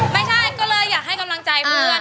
ไม่ใช่ก็เลยอยากให้กำลังใจเพื่อน